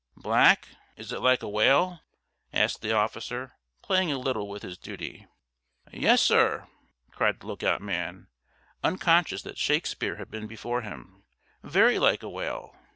"Black! Is it like a whale?" asked the officer, playing a little with his duty. "Yes, sir," cried the look out man, unconscious that Shakespeare had been before him, "very like a whale!"